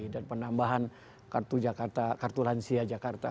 dan penambahan kartu lansia jakarta